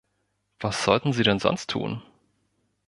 Was sollten Sie denn sonst tun?